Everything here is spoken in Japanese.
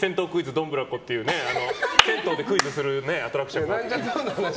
どんぶらこって銭湯でクイズするアトラクション。